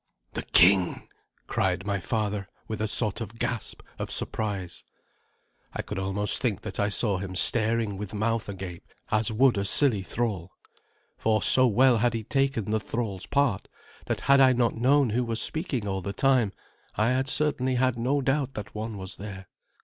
"The king!" cried my father, with a sort of gasp of surprise. I could almost think that I saw him staring with mouth agape as would a silly thrall; for so well had he taken the thrall's part that had I not known who was speaking all the time, I had certainly had no doubt that one was there.